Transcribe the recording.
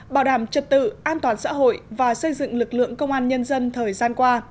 bảo đảm trật tự an toàn xã hội và xây dựng lực lượng công an nhân dân thời gian qua